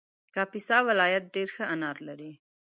کاپیسا ولایت ډېر ښه انار لري